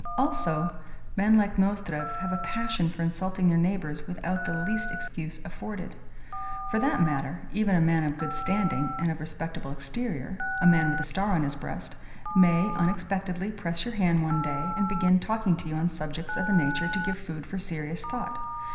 Also, men like Nozdrev have a passion for insulting their neighbours without the least excuse afforded. (For that matter, even a man of good standing and of respectable exterior a man with a star on his breast may unexpectedly press your hand one day, and begin talking to you on subjects of a nature to give food for serious thought.